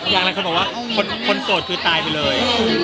อย่างนั้นภูมิกับคนโสดคือตายไปเลย